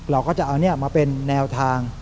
เราก็จะเอานี้มาเป็นแนวทาง